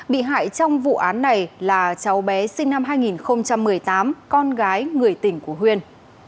bị hại trong vụ án này là cháu bé sinh năm hai nghìn một mươi tám con gái người tình của huyên